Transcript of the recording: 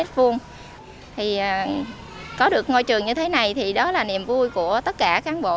thì có được ngôi trường như thế này thì đó là niềm vui của tất cả cán bộ